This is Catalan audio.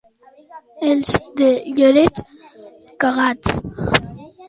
Els de Lloret, cagats.